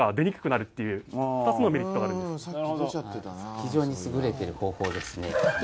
非常に優れてる方法ですね。